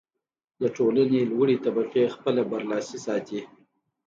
د ټولنې لوړې طبقې خپله برلاسي ساتي.